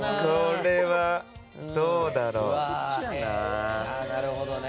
これはどうだろう。